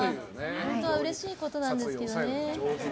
本当はうれしいことなんですけどね。